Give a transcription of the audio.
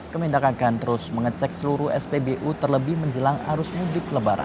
kemindahkan akan terus mengecek seluruh spbu terlebih menjelang arus publik kelebaran